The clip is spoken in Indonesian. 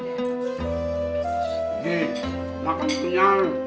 nah tuh bang